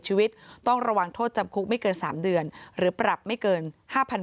ชีวิตต้องระวังโทษจำคุกไม่เกิน๓เดือนหรือปรับไม่เกิน๕๐๐๐